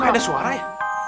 kok ada suara ya